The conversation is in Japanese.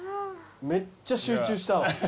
めっちゃ集中したわ。